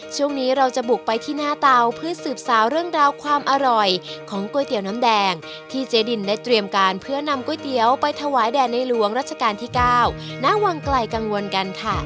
ช่วงนี้เราจะบุกไปที่หน้าเตาเพื่อสืบสาวเรื่องราวความอร่อยของก๋วยเตี๋ยวน้ำแดงที่เจ๊ดินได้เตรียมการเพื่อนำก๋วยเตี๋ยวไปถวายแด่ในหลวงรัชกาลที่๙ณวังไกลกังวลกันค่ะ